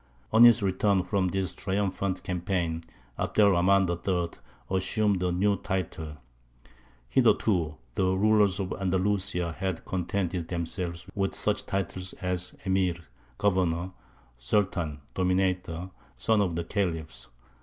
On his return from this triumphant campaign, Abd er Rahmān III. assumed a new title. Hitherto the rulers of Andalusia had contented themselves with such titles as Emīr (governor), Sultan (dominator), "son of the Khalifs."